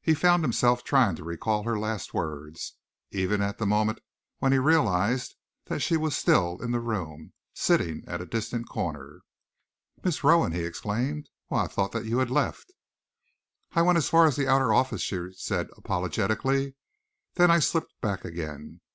He found himself trying to recall her last words, even at the moment when he realized that she was still in the room, sitting at a distant corner. "Miss Rowan!" he exclaimed. "Why, I thought that you had left!" "I went as far as the outer office," she said apologetically, "and then I slipped back again.